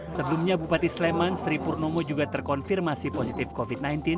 sebelumnya bupati sleman sri purnomo juga terkonfirmasi positif covid sembilan belas